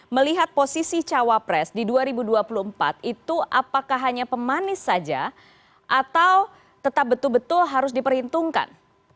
melihat posisi cawapres di dua ribu dua puluh empat itu apakah hanya pemanis saja atau tetap betul betul harus diperhitungkan